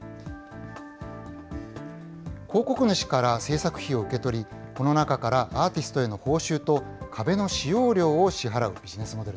広告主から制作費を受け取り、この中からアーティストへの報酬と壁の使用料を支払うビジネスモ